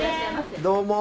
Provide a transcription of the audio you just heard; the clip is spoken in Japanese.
どうも。